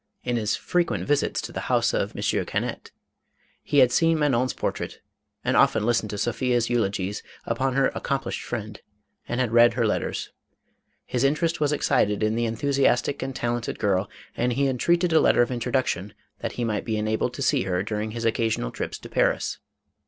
In his frequent visits to the house of M. Cannet, he had seen Manon's portrait, and often listened to Sophia's eulogies upon her accomplished friend, and had read her letters. His interest was excited in the enthusiastic and talented girl, and he entreated a letter of intro duction, that he might be enabled to see her during his occasional trips to Paris.